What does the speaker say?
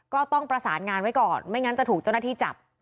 ก็ต้องประสานงานไว้ก่อนไม่งั้นจะถูกเจ้าหน้าที่จับ